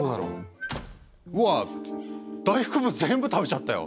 うわあ大福も全部食べちゃったよ！